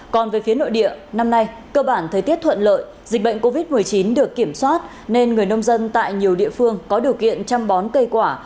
còn về phía nội địa năm nay cơ bản thời tiết thuận lợi dịch bệnh covid một mươi chín được kiểm soát nên người nông dân tại nhiều địa phương có điều kiện chăm bón cây quả